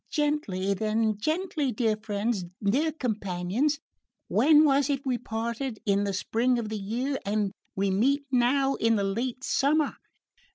"Gently, then, gently, dear friends dear companions! When was it we parted? In the spring of the year and we meet now in the late summer.